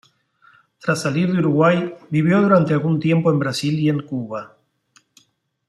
Tras salir de Uruguay, vivió durante algún tiempo en Brasil y en Cuba.